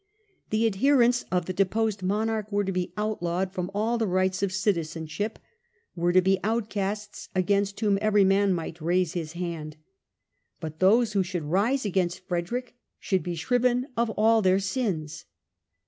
The adherents of the deposed monarch were to be outlawed from all the rights of citizenship, were to be outcasts against whom every man might raise his hand. But those who should rise against Frederick should be shriven of all their sins.